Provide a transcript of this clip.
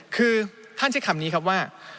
คือท่านใช้คำนี้ครับว่า